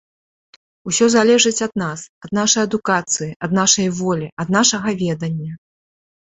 Усё залежыць ад нас, ад нашай адукацыі, ад нашай волі, ад нашага ведання.